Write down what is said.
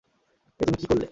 এ তুমি কী করলে?